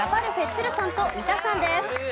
都留さんと三田さんです。